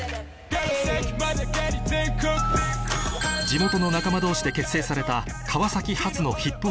地元の仲間同士で結成された川崎発のそして